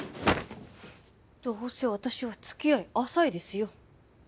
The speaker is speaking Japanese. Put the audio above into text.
どうせ私は付き合い浅いですよ。